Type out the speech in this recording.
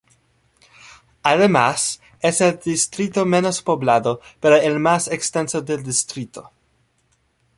Además, es el distrito menos poblado, pero el más extenso del distrito.